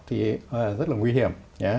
thì rất là nguy hiểm